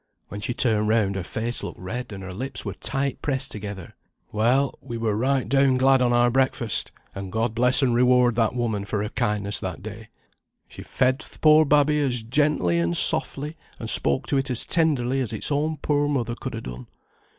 When she turned round, her face looked red, and her lips were tight pressed together. Well! we were right down glad on our breakfast, and God bless and reward that woman for her kindness that day; she fed th' poor babby as gently and softly, and spoke to it as tenderly as its own poor mother could ha' done.